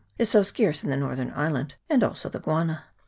is so scarce in the northern island, and also the guana.